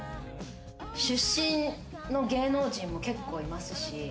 出身の芸能人も結構いますし。